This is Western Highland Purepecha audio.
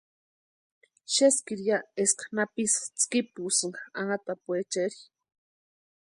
Xeskiri ya eska napisï tskipusïnka anhatapuecheri.